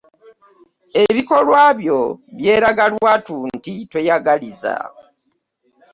Ebikolwa byo byeraga lwatu nti toyagaliza.